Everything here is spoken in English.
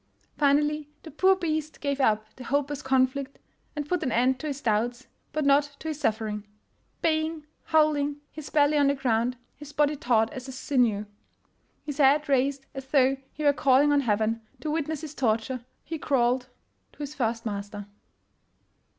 Finally the poor beast gave up the hopeless conflict, and put an end to his doubts, but not to his suffering. Baying, howling, his belly on the ground, his body taut as a sinew, his head raised as though he were calling on heaven to witness his torture, he crawled — to his first master.